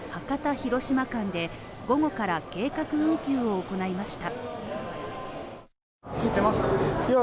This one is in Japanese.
広島で午後から計画運休を行いました。